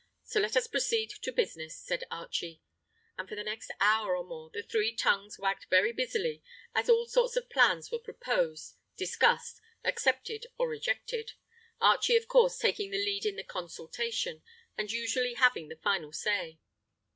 So let us proceed to business," said Archie. And for the next hour or more the three tongues wagged very busily as all sorts of plans were proposed, discussed, accepted, or rejected, Archie, of course, taking the lead in the consultation, and usually having the final say.